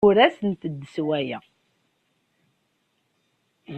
Ur asent-d-ssewwayeɣ.